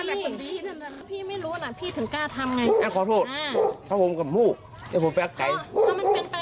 อ่านี่มันเองมันเลือดมาลูกแล้วหนูมีหลักอาหารนะ